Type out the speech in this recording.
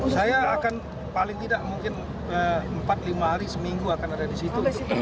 saya akan paling tidak mungkin empat lima hari seminggu akan ada di situ